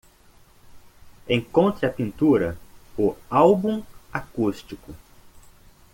Encontre a pintura O álbum acústico